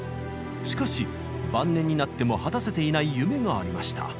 しかし晩年になっても果たせていない夢がありました。